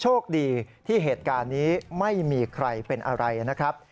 โชคดีที่เหตุการณ์นี้ไม่มีใครเป็นอะไรนะครับ